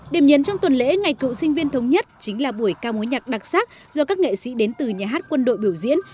điểm nhấn trong tuần lễ ngày cựu sinh viên thống nhất chính là buổi ca mối nhạc đặc sắc do các nghệ sĩ đến từ nhà hát quân đội biểu diễn